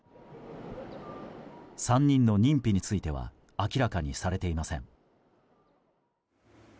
３人の認否については明らかにされていません。